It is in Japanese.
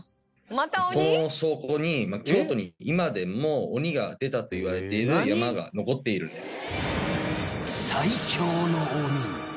今でも鬼が出たといわれている山が残っているんです。